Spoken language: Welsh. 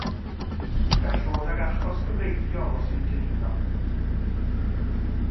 Gall ddod ag achos cyfreithiol os yw'n dymuno.